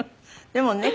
でもね